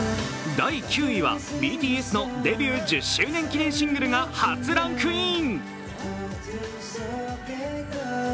第９位はＢＴＳのデビュー１０周年記念シングルが初ランクイン。